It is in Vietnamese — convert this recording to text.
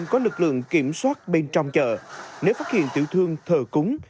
chợ côn có lực lượng kiểm soát bên trong chợ nếu phát hiện tiểu thương thờ cúng